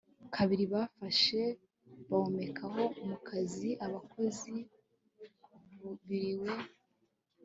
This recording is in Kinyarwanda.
kabiri bafashe bawomekaho mukazi abakozi biriwe